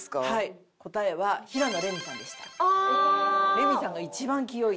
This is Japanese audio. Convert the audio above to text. レミさんが一番清い。